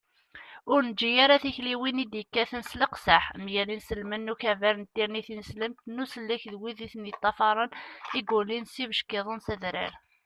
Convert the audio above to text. ur neǧǧi ara tikliwin i d-yekkaten s leqseḥ mgal inselmen n ukabar n tirni tineslemt n usellek d wid i ten-yeṭṭafaṛen i yulin s yibeckiḍen s adrar